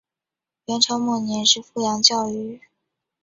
元朝末年是富阳教谕。